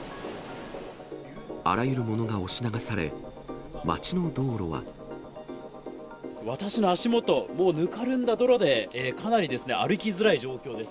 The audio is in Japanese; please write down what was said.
あらゆるものが押し流され、私の足元、もうぬかるんだ泥で、かなり歩きづらい状況です。